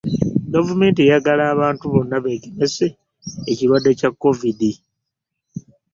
Gavumenti eyagala abantu bonna beegemese ekirwadde kya COVID.